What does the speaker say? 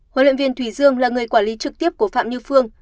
huấn luyện viên thủy dương là người quản lý trực tiếp của phạm như phương